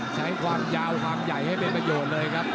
ซ้ายคอยต่อยออกรีลา